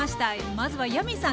まずはヤミーさん